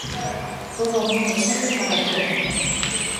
Todo o mundo serve para todo.